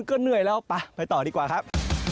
ก็เหนื่อยแล้วไปต่อดีกว่าครับ